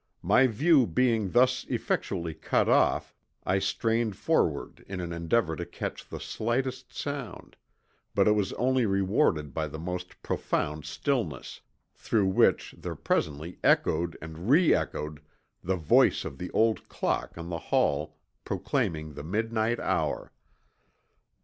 My view being thus effectually cut off I strained forward in an endeavor to catch the slightest sound, but was only rewarded by the most profound stillness, through which there presently echoed and re echoed the voice of the old clock in the hall proclaiming the midnight hour.